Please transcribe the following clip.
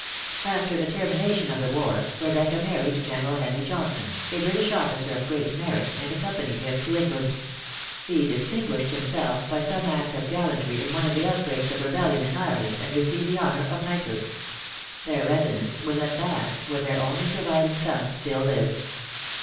After the termination of the war, Rebecca married General Henry Johnson, a British officer of great merit, and accompanied him to England. He distinguished himself by some act of gallantry in one of the outbreaks of rebellion in Ireland, and received the honor of knighthood. Their residence was at Bath, where their only surviving son still lives.